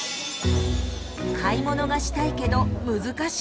買い物がしたいけど難しい。